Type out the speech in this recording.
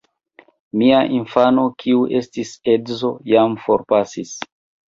Mia infano, kiu estis edzo, jam forpasis.